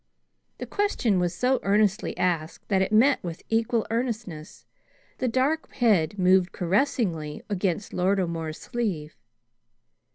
The question was so earnestly asked that it met with equal earnestness. The dark head moved caressingly against Lord O'More's sleeve.